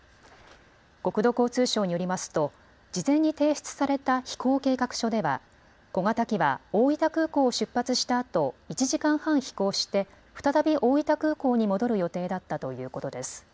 国土交通省によりますと事前に提出された飛行計画書では小型機は大分空港を出発したあと、１時間半飛行して再び大分空港に戻る予定だったということです。